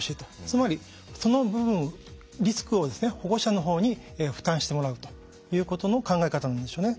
つまりその分リスクを保護者の方に負担してもらうということの考え方なんでしょうね。